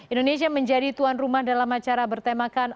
indonesia menjadi tuan rumah dalam acara bertemakan